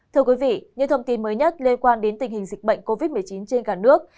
thưa quý vị những thông tin mới nhất liên quan đến tình hình dịch bệnh covid một mươi chín trên cả nước